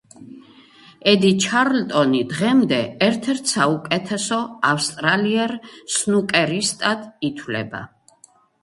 ედი ჩარლტონი დღემდე ერთ-ერთ საუკეთესო ავსტრალიელ სნუკერისტად ითვლება.